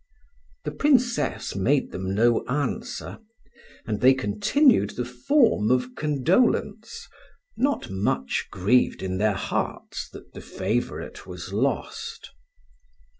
The Princess made them no answer; and they continued the form of condolence, not much grieved in their hearts that the favourite was lost.